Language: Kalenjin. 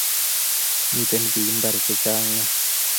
Miten pik imbar che chang nea